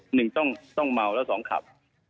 หนึ่งต้องเมาแล้วสองขับ